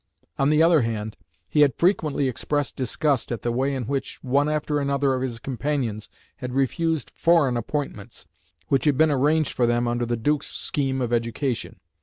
On the other hand he had frequently expressed disgust at the way in which one after another of his companions had refused "foreign" appointments which had been arranged for them under the Duke's scheme of education.